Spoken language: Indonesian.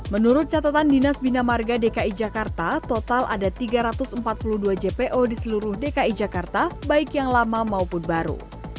menurut catatan dinas bina marga dki jakarta total ada tiga ratus empat puluh dua jpo di seluruh dki jakarta baik yang lama maupun baru